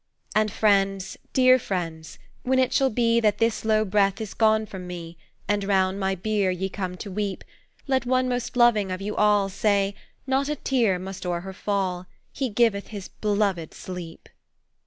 "And friends, dear friends, when it shall be That this low breath is gone from me, And round my bier ye come to weep, Let one most loving of you all Say, 'Not a tear must o'er her fall, He giveth his beloved sleep!'"